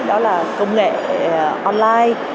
đó là công nghệ online